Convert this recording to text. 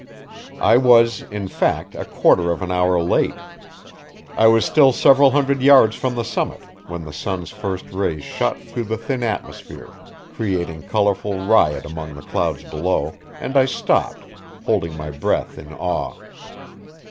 I was, in fact, a quarter of an hour late. I was still several hundred yards from the summit when the sun's first rays shot through the thin atmosphere, creating colorful riot among the clouds below, and I stopped, holding my breath in awe.